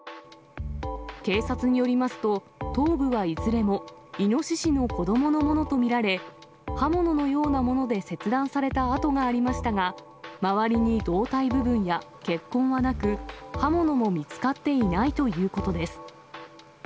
警察によりますと、頭部はいずれもイノシシの子どものものと見られ、刃物のようなもので切断された痕がありましたが、周りに胴体部分や血痕はなく、刃物も見つかっていないということです。